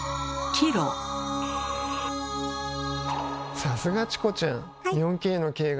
さすがチコちゃん！